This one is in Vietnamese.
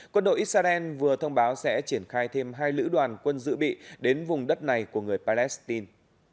quân đội israel vừa thông báo sẽ triển khai thêm hai lữ đoàn quân dự bị đến vùng đất này của người palestine